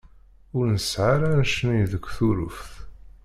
Ur nesεa ara annect-nni deg Tuṛuft.